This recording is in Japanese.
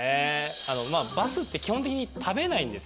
バスって基本的に食べないんです